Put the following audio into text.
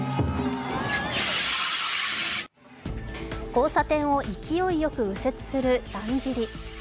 交差点を勢いよく右折するだんじり。